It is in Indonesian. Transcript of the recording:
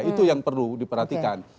itu yang perlu diperhatikan